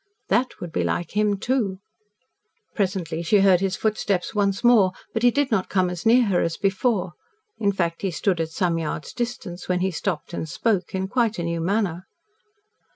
That would be like him, too. Presently she heard his footsteps once more, but he did not come as near her as before in fact, he stood at some yards' distance when he stopped and spoke in quite a new manner.